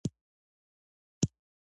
نن د افغانستان د پخواني ولسمشر